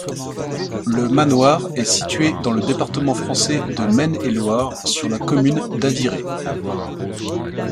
Le manoir est situé dans le département français de Maine-et-Loire, sur la commune d'Aviré.